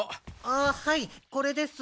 ああはいこれです。